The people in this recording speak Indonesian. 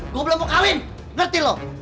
gue belum mau kawin ngerti lo